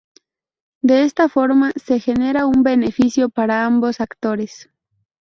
De esta forma, se genera un beneficio para ambos actores.